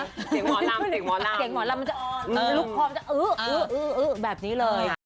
เสียงหมอนรำเสียงหมอนรำมันจะลุกคอมจะอื้ออื้ออื้อแบบนี้เลย